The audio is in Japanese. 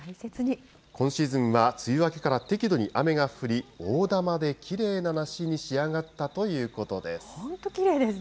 今シーズンは梅雨明けから適度に雨が降り、大玉できれいな梨に仕上がったということです。